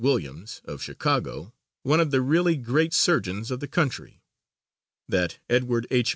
Williams, of Chicago, one of the really great surgeons of the country; that Edward H.